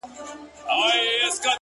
چي ته د چا د حُسن پيل يې ته چا پيدا کړې؛